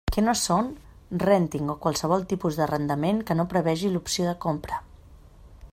Què no són: rènting o qualsevol tipus d'arrendament que no prevegi l'opció de compra.